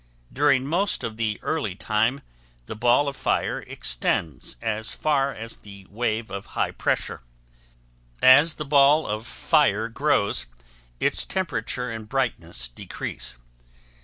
During most of the early time, the ball of fire extends as far as the wave of high pressure. As the ball of fire grows its temperature and brightness decrease.